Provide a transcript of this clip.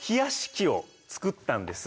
器を作ったんです。